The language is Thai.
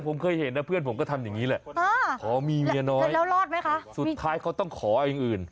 สุดท้ายเขาต้องขออีกอย่างอื่น